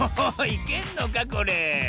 いけんのかこれ？